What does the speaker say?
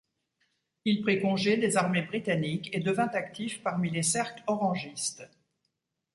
Il prit congés des armées britanniques et devint actif parmi les cercles Orangistes.